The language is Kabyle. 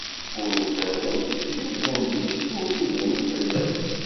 Ur uggaden, jebden deg-s ur ibni fell-as.